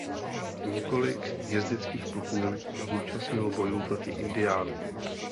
Několik jezdeckých pluků se zúčastnilo bojů proti indiánům.